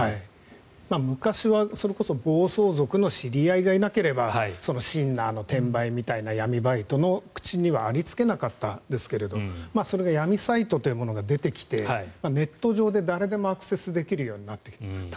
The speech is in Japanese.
昔はそれこそ暴走族の知り合いがいなければシンナーの転売みたいな闇バイトの口にはありつけなかったんですがそれが闇サイトというものが出てきてネット上で誰でもアクセスできるようになってきた。